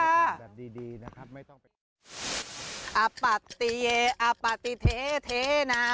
อัปติเยอัปติเทเทนาอัปติยาอัปติตึ๊บตึ๊บตึ๊บ